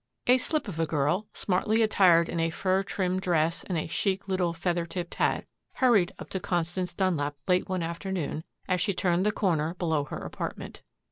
A slip of a girl, smartly attired in a fur trimmed dress and a chic little feather tipped hat, hurried up to Constance Dunlap late one afternoon as she turned the corner below her apartment.